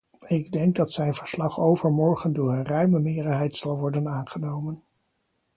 Ik denk dat zijn verslag overmorgen door een ruime meerderheid zal worden aangenomen.